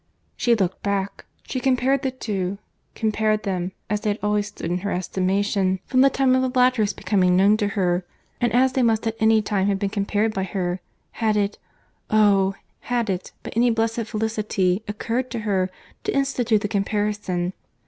—She looked back; she compared the two—compared them, as they had always stood in her estimation, from the time of the latter's becoming known to her—and as they must at any time have been compared by her, had it—oh! had it, by any blessed felicity, occurred to her, to institute the comparison.